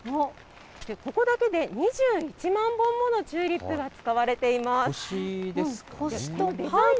ここだけで２１万本ものチューリップが使われています。